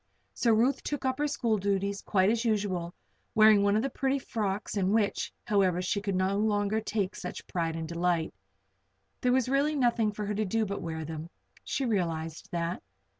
So Ruth took up her school duties quite as usual, wearing one of the pretty frocks in which, however, she could no longer take such pride and delight. There was really nothing for her to do but wear them. She realized that.